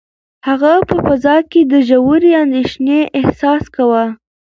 هغه په فضا کې د ژورې اندېښنې احساس کاوه.